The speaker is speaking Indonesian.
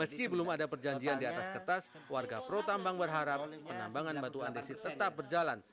meski belum ada perjanjian di atas kertas warga pro tambang berharap penambangan batu andesit tetap berjalan